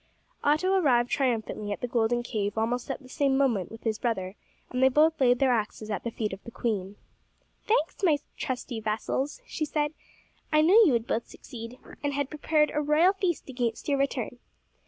Otto arrived triumphantly at the golden cave almost at the same moment with his brother, and they both laid their axes at the feet of the queen. "Thanks, my trusty vassals," she said; "I knew you would both succeed, and had prepared a royal feast against your return."